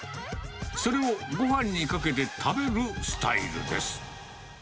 それをごはんにかけて食べるスタイルです。